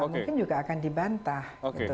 mungkin juga akan dibantah